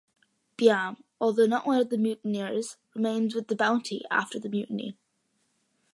Byam, although not one of the mutineers, remains with the "Bounty" after the mutiny.